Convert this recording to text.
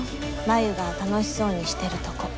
真夢が楽しそうにしてるとこ。